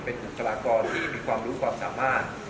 เป็นบุคลากรที่มีความรู้ความสามารถ